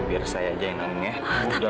biar saya aja yang nonnya